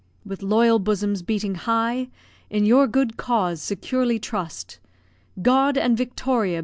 With loyal bosoms beating high, In your good cause securely trust; "God and Victoria!"